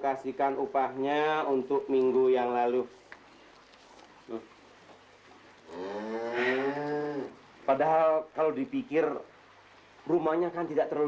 kasihkan upahnya untuk minggu yang lalu padahal kalau dipikir rumahnya kan tidak terlalu